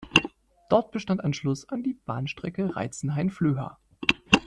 Dort bestand Anschluss an die Bahnstrecke Reitzenhain–Flöha.